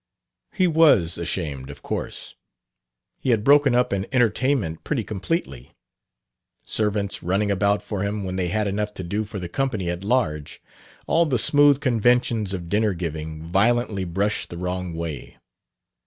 He was ashamed, of course. He had broken up an entertainment pretty completely! Servants running about for him when they had enough to do for the company at large! All the smooth conventions of dinner giving violently brushed the wrong way!